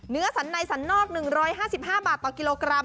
เนื้อสันในสันนอก๑๕๕บาทต่อกิโลกรัม